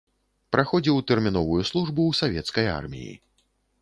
Праходзіў тэрміновую службу ў савецкай арміі.